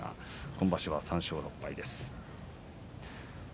今場所は３勝６敗です。